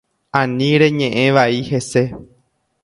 Ani reñe’ẽ vai hese.